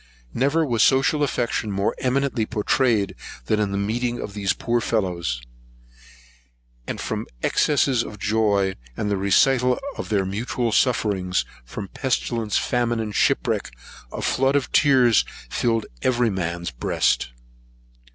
Never was social affection more eminently pourtrayed than in the meeting of these poor fellows; and from excess of joy, and a recital of their mutual sufferings, from pestilence, famine, and shipwreck, a flood of tears filled every man's breast.